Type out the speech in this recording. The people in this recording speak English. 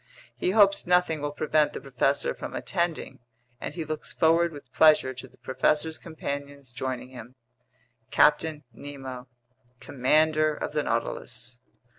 He hopes nothing will prevent the professor from attending, and he looks forward with pleasure to the professor's companions joining him. CAPTAIN NEMO, Commander of the Nautilus.